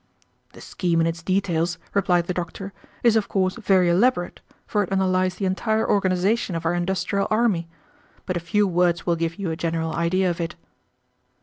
"The scheme in its details," replied the doctor, "is of course very elaborate, for it underlies the entire organization of our industrial army; but a few words will give you a general idea of it."